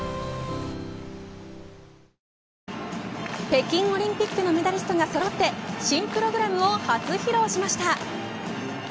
北京オリンピックのメダリストがそろって新プログラムを初披露しました。